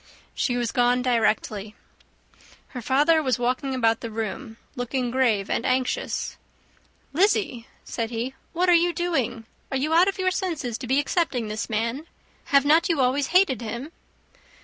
She was gone directly. Her father was walking about the room, looking grave and anxious. "Lizzy," said he, "what are you doing? Are you out of your senses to be accepting this man? Have not you always hated him?"